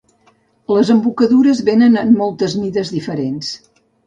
Les embocadures venen en moltes mides diferents.